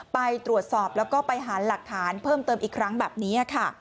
ไปตรวจสอบแล้วก็ไปหาหลักฐานเพิ่มเติมอีกครั้งแบบนี้ค่ะ